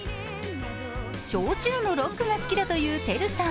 焼酎のロックが好きだというＴＥＲＵさん。